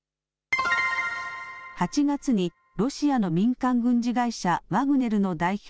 ８月にロシアの民間軍事会社ワグネルの代表